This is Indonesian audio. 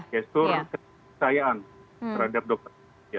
gestur kepercayaan terhadap dokter